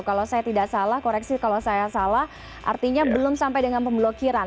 kalau saya tidak salah koreksi kalau saya salah artinya belum sampai dengan pemblokiran